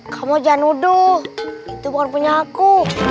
kamu aja nuduh itu bukan punya aku